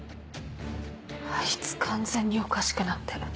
あいつ完全におかしくなってる。